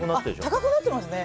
高くなってますね。